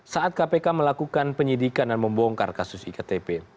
saat kpk melakukan penyidikan dan membongkar kasus iktp